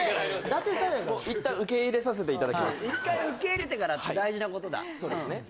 舘さんやから一回受け入れてから大事なことだそうですね